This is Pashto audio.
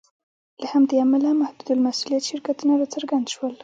له همدې امله محدودالمسوولیت شرکتونه راڅرګند شول.